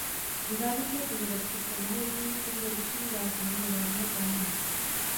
Nezávislé požadavky se mohou změnit pouze ručním zásahem do hlavního plánu.